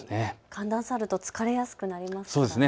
寒暖差があると疲れやすくなりますよね。